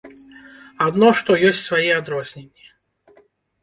Адно што, ёсць свае адрозненні.